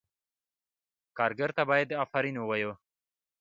کارګر ته باید آفرین ووایو.